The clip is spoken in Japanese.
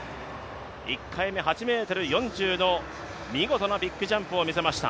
１回目、８ｍ４０の見事なビッグジャンプをみせました。